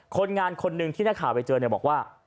คนงานคนหนึ่งที่หน้าข่าวไปเจอบอกว่า